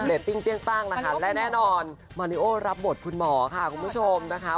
เรทติ้งเปรี้ยงป้างแล้วค่ะและแน่นอนมาเลโอร์รับบทพุนหมอค่ะคุณผู้ชมนะคะ